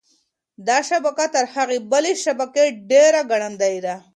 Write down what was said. دا شبکه تر هغې بلې شبکې ډېره ګړندۍ ده.